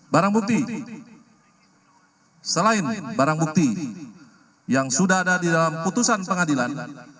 barang bukti selain barang bukti yang sudah ada di dalam putusan pengadilan